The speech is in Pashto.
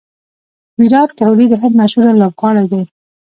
ویرات کهولي د هند مشهوره لوبغاړی دئ.